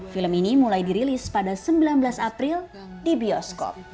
film ini mulai dirilis pada sembilan belas april di bioskop